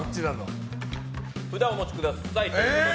札をお持ちください。